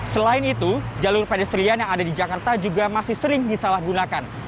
selain itu jalur pedestrian yang ada di jakarta juga masih sering disalahgunakan